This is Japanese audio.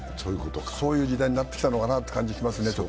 そういう時代になってきたのかなという感じがしますよね。